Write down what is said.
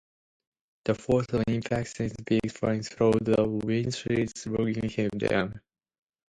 The force of the impact sent Biggs flying through the windshield, lodging him there.